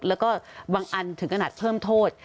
แล้วก็บางอันถึงขนาดเพิ่มโทษ